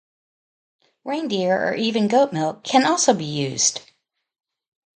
Reindeer or even goat milk can also be used.